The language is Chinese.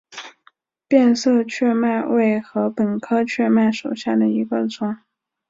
变色雀麦为禾本科雀麦属下的一个种。